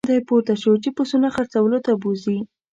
دی پورته شو چې پسونه څرولو ته بوزي.